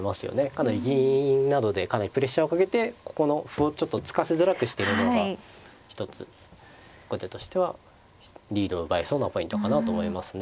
かなり銀などでプレッシャーをかけてここの歩をちょっと突かせづらくしてるのが一つ後手としてはリードを奪えそうなポイントかなと思いますね。